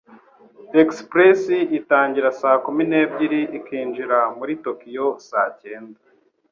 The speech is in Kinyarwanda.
Express itangira saa kumi n'ebyiri ikinjira muri Tokiyo saa cyenda.